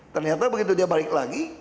ternyata begitu dia balik lagi